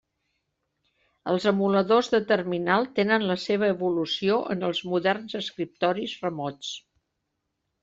Els emuladors de terminal tenen la seva evolució en els moderns escriptoris remots.